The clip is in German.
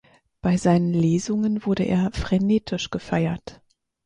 Bei seinen Lesungen wurde er frenetisch gefeiert.